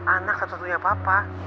anak satu satunya papa